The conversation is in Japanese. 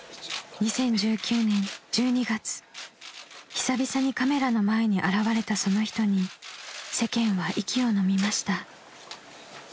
［久々にカメラの前に現れたその人に世間は息をのみました］